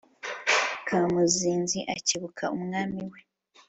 Kamuzinzi akebuka Umwami we